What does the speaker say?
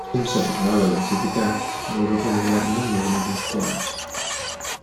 Sense parlar de l'antiguitat, l'Europa moderna n'ha donat uns quants.